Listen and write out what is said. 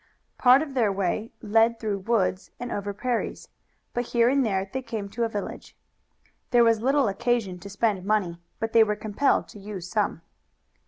Part of their way led through woods and over prairies, but here and there they came to a village. There was little occasion to spend money, but they were compelled to use some.